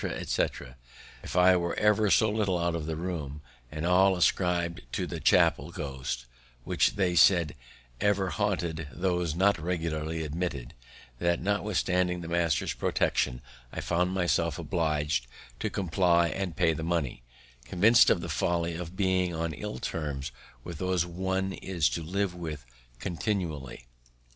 etc., if I were ever so little out of the room, and all ascribed to the chappel ghost, which they said ever haunted those not regularly admitted, that, notwithstanding the master's protection, I found myself oblig'd to comply and pay the money, convinc'd of the folly of being on ill terms with those one is to live with continually.